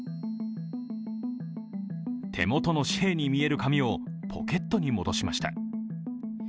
手元の紙幣に見える紙をポケットに戻しました。